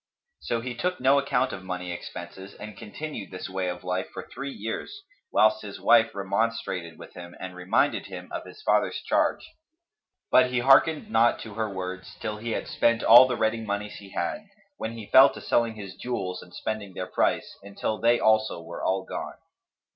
So he took no account of money expenses and continued this way of life for three years, whilst his wife remonstrated with him and reminded him of his father's charge; but he hearkened not to her words, till he had spent all the ready monies he had, when he fell to selling his jewels and spending their price, until they also were all gone.